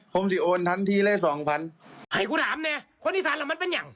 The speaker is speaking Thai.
ผมสิโอนทันทีเลยสองพันให้กูถามเนี่ยคนอีสานล่ะมันเป็นอย่าง